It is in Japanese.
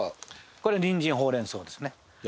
これにんじんほうれん草ですね。